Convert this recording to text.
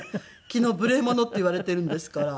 昨日「無礼者」って言われているんですから。